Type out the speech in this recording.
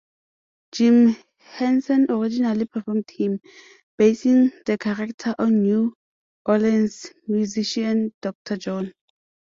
Jim Henson originally performed him, basing the character on New Orleans musician Doctor John.